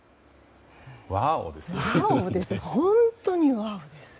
ワオ！ですよ。